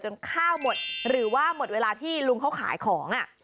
ข้าวหมดหรือว่าหมดเวลาที่ลุงเขาขายของ